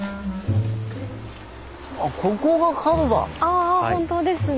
あ本当ですね。